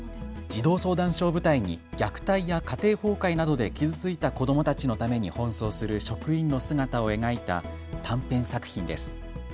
児童相談所を舞台に虐待や家庭崩壊などで傷ついた子どもたちのために奔走する職員の姿を描いた短編作品です。